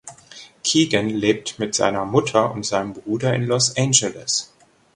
Keegan lebt mit seiner Mutter und seinem Bruder in Los Angeles.